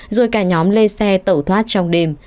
rồi cả nhóm lê xe tẩu thoát trong đêm